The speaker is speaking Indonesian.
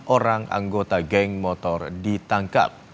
delapan orang anggota geng motor ditembak